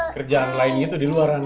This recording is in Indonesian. kerjaan lain gitu di luar